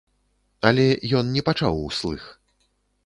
Але ён не пачаў услых.